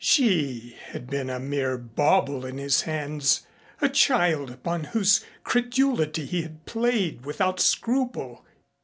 She had been a mere bauble in his hands, a child upon whose credulity he had played without scruple.